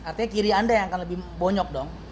artinya kiri anda yang akan lebih bonyok dong